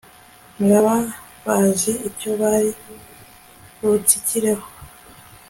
ntibaba bazi icyo bari butsikireho